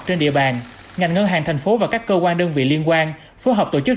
trên địa bàn ngành ngân hàng thành phố và các cơ quan đơn vị liên quan phối hợp tổ chức